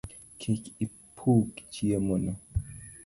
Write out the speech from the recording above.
Kik ipuk chiemo no